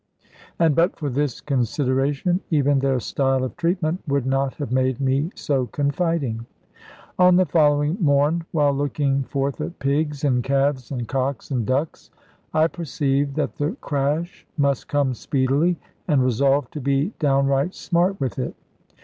And but for this consideration, even their style of treatment would not have made me so confiding. On the following morn, while looking forth at pigs, and calves, and cocks, and ducks, I perceived that the crash must come speedily, and resolved to be downright smart with it.